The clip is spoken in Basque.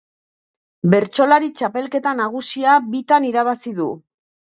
Bertsolari Txapelketa Nagusia bitan irabazi du.